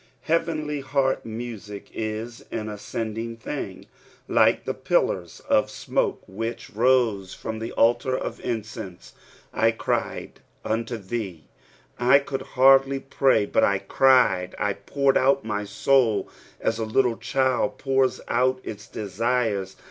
Heavenly heart muaic is an ascending tiling, like the pillars of smoke which rose from the altar of incense. "/ cried unto t/iee." I could hardly pray, but I cried ; I poured out my aoul aa a little cliild poura out its desires.